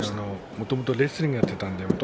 もともとレスリングをやってました。